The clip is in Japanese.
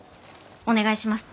お願いします。